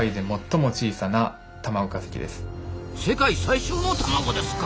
世界最小の卵ですか！